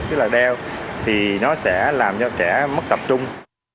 tức là đeo thì nó sẽ làm cho trẻ mất tập trung